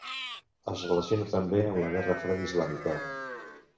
Es relaciona també amb la guerra freda islàmica.